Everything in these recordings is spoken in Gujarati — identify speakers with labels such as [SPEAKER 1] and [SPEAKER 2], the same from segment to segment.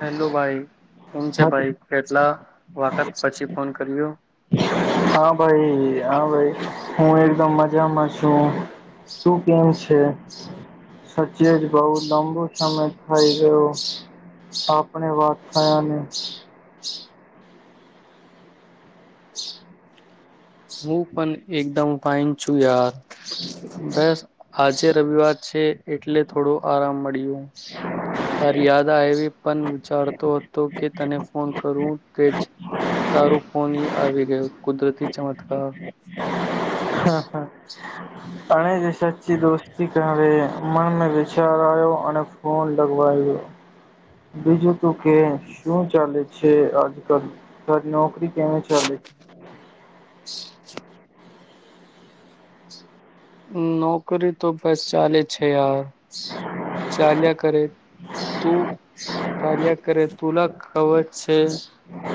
[SPEAKER 1] હેલો ભાઈ એમ છે
[SPEAKER 2] હા
[SPEAKER 1] ભાઈ કેટલા વખત પછી ફોન કર્યું
[SPEAKER 2] હા ભાઈ હા ભાઈ હું એકદમ મ જેામશું તું કેમ છ સચિ જ બઉ લાંબો સમય થાઈ ગયો આપણે વા થયાને [unintelligible] [unintelligible]
[SPEAKER 1] હું પણ એકદમ ફઇન છું યાર બસ આજે રવિવાર છે એટલે થોડો આરામ મળ્યો તારી યાદ આવીવી પણ વિચારતો હતો કે તને ફોન કરું તેજ તારો ફોન આવી ગયો કુદરતી ચમ હા
[SPEAKER 2] હા હા અને સચી દોસ્તી કરવે મનને વિચાર આવ્યો અને ફોન લગવાયયો બીજું કે શું ચાલે છે છ અજ કલ સાારી નોકરી કે ચાલી
[SPEAKER 1] નોકરી તો બસ ચાલે છે યાર ચાલ્યા કરે તું ચાલ્યા કરે તુલા ખબર છે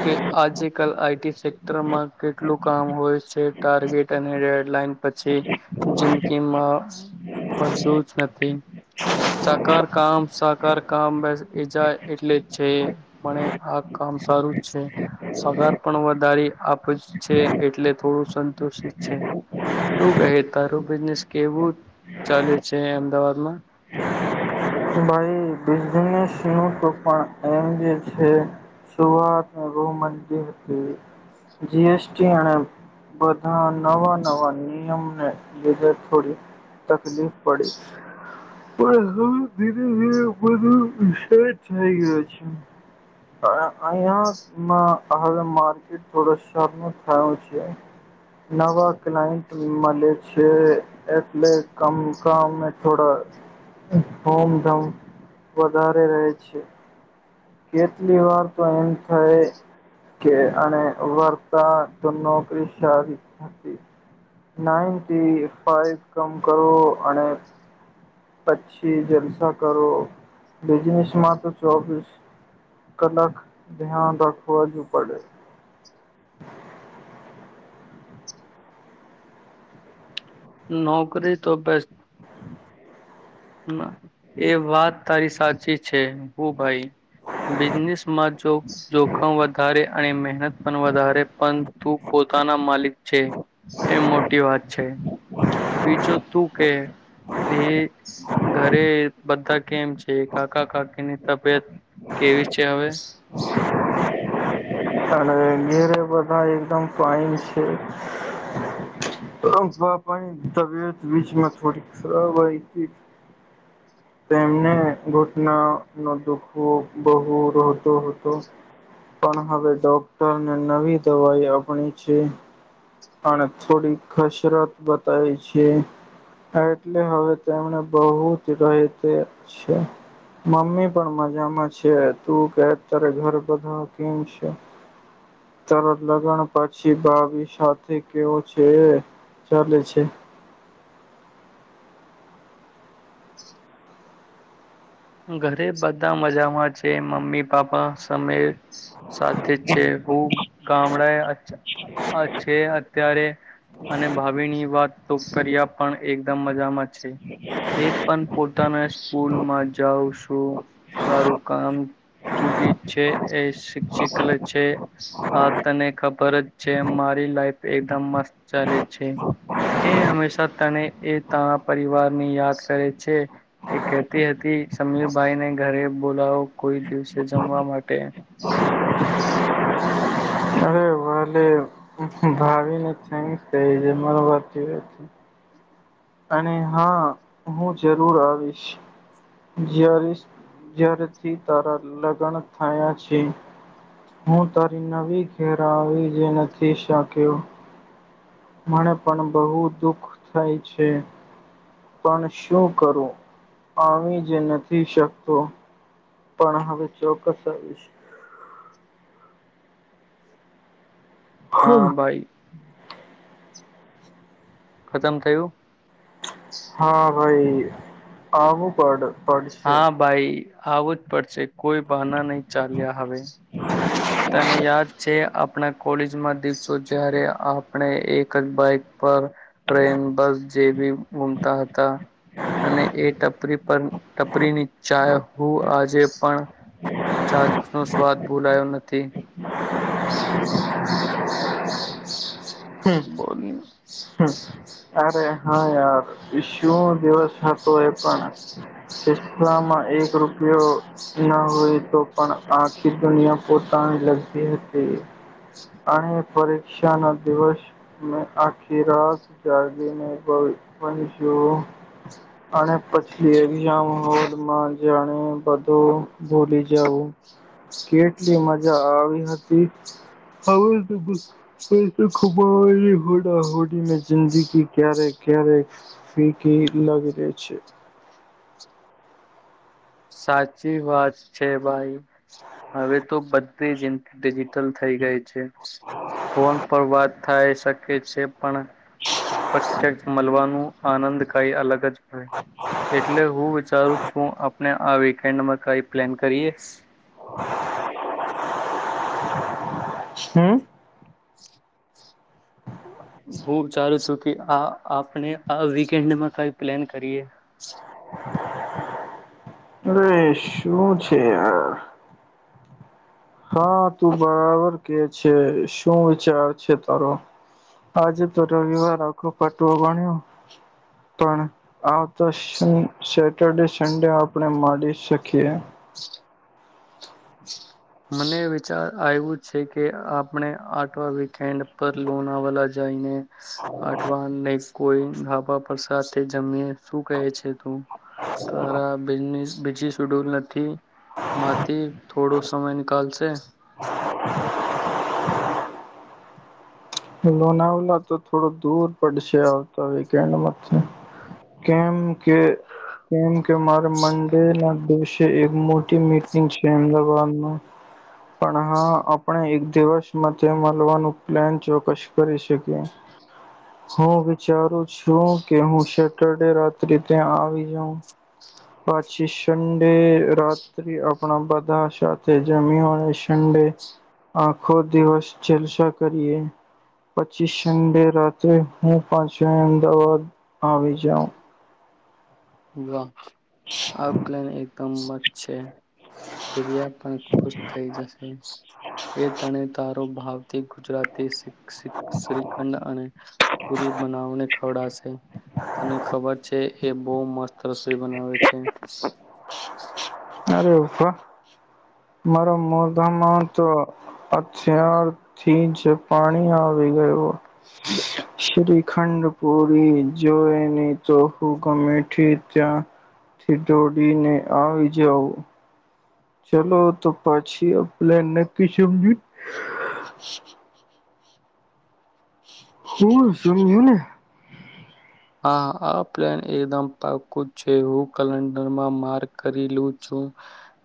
[SPEAKER 1] કે આજ કલ આઈટી સેક્ટરમાં કેટલું કામ હોય છે ટાર્ગેટ અને ડેડલાઈન પછી જિંદગીમાં બધું જ નથી સાકાર કામ સાકાર કામસ એ જાય એટલે છે પણ આ કામ સારું છે સગાર પણ વધારી આપ છે એટલે થોડું સંતુષ છે તું કહે તારું બિઝનેસ કેવું ચાલે છે અમદાવાદમાં
[SPEAKER 2] ભાઈ બિઝનેસ તો પણ એમ જે છે શઆતને બહ મી હતી જીએસટી અને બધા નવા નવા નિયમને લીધે થોડી તકલીફ પડી પણ ધીરે ધીરે બધું વિષય થઈ ગયો છે અહંમાં હવે માર્કેટ થોડો શ થયું છે નવા ક્લાયન્ટ મળે છે એટલે કમકમે થોડા ધમધામ વધારારે રહેે છે કેટલી વાર તો એમ થઈ કે અને વર્તા તો નોકરી સારી હતી નાઈી ફાઈવ કામ કરવો અને પછી જલસા કરો બિજનેસમાં તો ચોવીસ કલાક ધ્યાન રાખવા જ પડે [unintelligible]
[SPEAKER 1] નોકરી તો અભ્યસ્ એ વાત તારી સાચી છે હ ભાઈ બિઝનેસમાં જો જોખમ વધારે અને મહેનત પણ વધારે પણ તું પોતાના માલિક છે એ મોટી વાત છે બીજો તું કે ધી ઘરે બધા કેમ છે કાકા કાકીની તબિયત કેવી છે હવે
[SPEAKER 2] અને ઘેરે બધા મ ફન છે બાપાની તબિયત બીચમાં થોડીબ તેમને ઘટના નો દુખો બહુતો હતો પણ હવે ડોક્ટરને નવી દવાઈ આપણી છે અને થોડી કસરત બતાવી છે એટલે હવે તેમને બહ જ રહેતે છે મમ્મી પણ મજામાં છે તું કે ત્યારે ઘર બધાકી તાર લગ્ન પછી ભાવી સાથે કેવો છે ચાલે છે
[SPEAKER 1] ઘરે બધા મજામાં છે મમ્મી પાપા સમમેર સાથે છે હું ગામડાએ છે અત્યારે અને ભાવિની વાત તો કર્યા પણ એકદમ મજામાં છે એ પણ પોતાના સ્કૂલમાં જાઉ છું સારું કામ જુગી છે એ શિક્ષિક છે આ તને ખબર જ છે મારી લાઈફ એકદમ મસ્ત ચાલે છે એ હંમેશા તને એ તાર પરિવાર ની યાદ કરે છે એ કહેતી હતી સમીરભાઈ ને ઘરે બોલાવો કોઈ દિવસે જમવા માટે
[SPEAKER 2] અરે થ થ જ મા વા હો અને હા હું જરૂર આવીશ જ્યારે જારથી તારા લગ્ન થયા છે હું તારી નવી ઘેર આવી જે નથી શક્યો મને પણ બહુ દુખ થાય છે પણ શું કરું આવી જ નથી શકતો પણ હવે ચોક્કસ આવીશ
[SPEAKER 1] હા ભાઈ ખતમ થયું
[SPEAKER 2] હા ભાઈ આમું પાાડ
[SPEAKER 1] હા ભાઈ આવું જ પડશે કોઈ બહના નહી ચાલ્યા હવે તને યાદ છે આપણા કોલેજમાં દિવસો જય્યારે આપણે એક જ બાઈક પર ટ્રેન બસ જેવી ગુમતા હતા અને એ ટપરી પર ટપરીની ચાાય હું આજે પણ ચાચ નો સ્વાદ બોલાયો નથી બોલ
[SPEAKER 2] અરે હા યાર શું દિવસ હતો એ પણમાં એક રૂપયો ના હોય તો પણ આખી દુનિયા પોતાની લગી હતી અને પરીક્ષા ન દિવસ આખી રાત ્યો અને પછલી એક્ઝામ હોલમાં જાણે બધું ભોલી જવું કેટલી મજા આવી હતી હવે હોડી જિંદગી ક્યારે ક્યારે ફીકી લાગ રહી છે
[SPEAKER 1] સાચી વાત છે ભાઈ હવે તો બધી જિંદ ડિજિટલ થઈ ગઈ છે ફોન પર વાત થાય શકે છે પણ પ્રત્ય મળવાનું આનંદ કઈ અલગ જ એટલે હું ચાલું છું આપને આ વીકેન્ડમાં કઈ પ્લાન કરીય
[SPEAKER 2] હમ
[SPEAKER 1] હું વિચારું છું કે આ આપણે આ વીકેએન્ડમાં કઈ પ્લેન કરીએ
[SPEAKER 2] અ શું છે યાર હા તું બરાબર કે છે શું વિચાર છે તારો આજે તો રવિવાર આખો પટવો ભણ્યો પણ આવ તો સેટરડે સન્ડે આપણે માંડી શકીએ
[SPEAKER 1] મને વિચાર આવ્યું છે કે આપણે આઠવા વીકન્ડ પર લોન આવલા જઈને આઠવાને કોઈાબા પર સાથે જમીએ શું કહે છે તું તાર બીજી સડ્યુલ નથી થી થોડું સમય નિકાલશે
[SPEAKER 2] લોનાવલા તો થોડો દૂર પડશે આવતા વીકેન્ડથી કેમ કેમ ુમાર મંડેના દેશ એક મોટી મીટ છે અમદાદ પણ હા આપણે એક દિવસ માટે મળવાનું પ્લાન ચોક્કસ કરી શકે હું વિચારું છું કે હું સેટરડે રાત્રિ ત્યાં આવી જાઉં પછી ંડે રાત્રે આપણા બધા સાથે જમી્યો અને શંડે આખો દિવસ જલસા કરીએ પછી શંડે રાત્રે હું પાછ અમદાવાદ આવી જાઉં
[SPEAKER 1] વાહ આ પ્લેન એક કબત છે પ્રિયા પણ ખુશ થઈ જશે એ તણે તારો ભાગ ગુજરાતી શ્રીખંડ અને પૂરી બનાવને ખવડાશે તને ખબર છે એે બહુ મસ્ત રસોઈ બનાવે છે
[SPEAKER 2] [unintelligible] અરે વા મારા મોઘામાં તો અથ્યાર થી જ પાણી આવી ગયયો શ્રીખંડ પુરી જોઈ નહી તો હું ગમેઠી ત્યાંથી દો બને આ વિજય આવું ચલો તો પછી આ પ્લેન નક્કી સમજુ હું સમમીું ને
[SPEAKER 1] હા આ પ્લેન એકદમ પાકું જ છે હું કેલેન્ડરમાં માર્ક કરી લું છું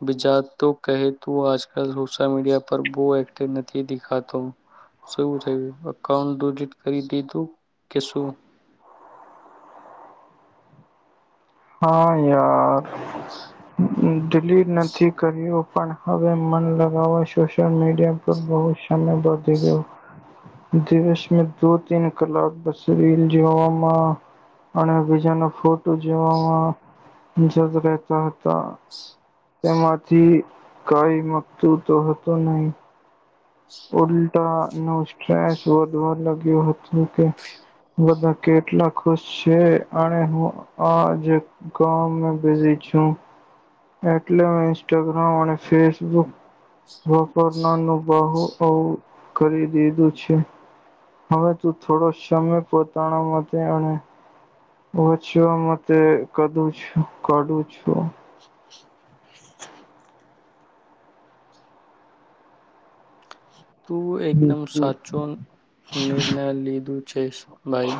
[SPEAKER 1] બીજા તો કહે તું આજકાલ સોશિયલ મીડિયા પર બહુ એક્ટિવ નથી દેખાતોું શ થયું અાઉન્ટ ડિટ કરી દીધું કે શું
[SPEAKER 2] હા યાર [unintelligible] ડિલીટ નથી કર્યો પણ હવે મન લગાવવા સોશિયલ મીડિયા પર બહુ સમય વધી ગયો દિવસ દો તન કલાક બસ રીલ જોવામાં અને બીજા ફોટો રહેતા હતા તેમાંથી કઈ મગતું તો હતું નહી વધવા લાગ્યો હતું કે બધા કેટલા ખુશ છે અને હું આજ એટલે ઇસ્ટાગ્રામ અને ફેસબુકપર બુ બું કરી દીધું છે હવે તું થોડો સમય પોતાના માટે એને વચવા માટે કું છું કાઢું છું
[SPEAKER 1] તું એકદમ
[SPEAKER 2] બિલકુલ
[SPEAKER 1] સાચો નિર્ણય લીધો છે ભાઈ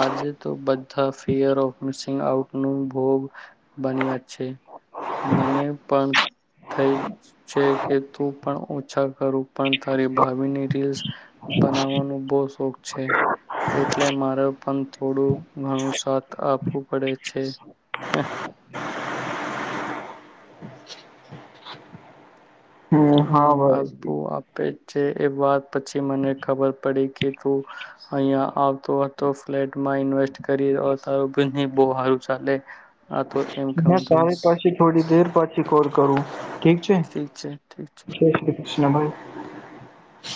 [SPEAKER 1] આજે તો બધા ફિયર ઓફ મિ આઉટ નું ભોગ બન્યા છે મને પણ થઈ છે કે તું પણ અચ્છા કરું પણ તારી ભાવિની રીલસ બનાવવાનું બહ શોખ છે એટલે મારે પણ થોડું ઘણું સાથ આપ વું પડે છે હ હમ
[SPEAKER 2] હા ભાઈ.
[SPEAKER 1] હું આપે એ વાત પછી મને ખબર પડી કે તું અહિયાં આવતો હતો ફ્લેટમાં ઇન્વેસ્ટ કરી સારો બને બહુ સારું ચાલે હા તો એમ કઉ
[SPEAKER 2] હ
[SPEAKER 1] છું
[SPEAKER 2] તારે પાછી થોડી દર પછી કર કરું ઠીક છે
[SPEAKER 1] છે ઠીક છે
[SPEAKER 2] જય શ્રી કૃષ્ણ ભાઈ હ